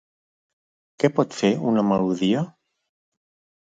Què pot fer una melodia?